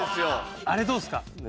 あれどうですか？